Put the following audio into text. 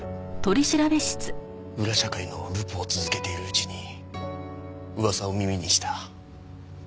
裏社会のルポを続けているうちに噂を耳にした。